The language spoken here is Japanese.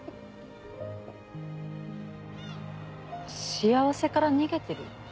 幸せから逃げてる？